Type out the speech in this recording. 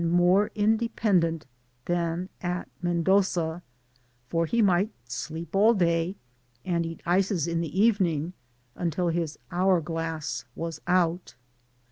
71 more independent than at Mendoza, for he might sleep all day and eat ices in the evening, until his hour glass was out.